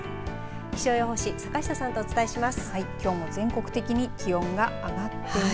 気象予報士、坂下さんとお伝えしていきます。